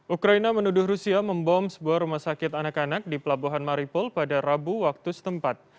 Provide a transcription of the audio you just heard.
ukraina menuduh rusia membom sebuah rumah sakit anak anak di pelabuhan maripol pada rabu waktu setempat